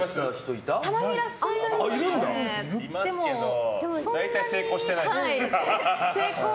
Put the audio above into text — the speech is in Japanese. いますけど大体成功してないですね。